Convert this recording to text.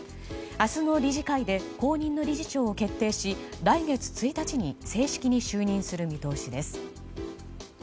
明日の理事会で後任の理事長を決定し来月１日に正式に就任する見通しです。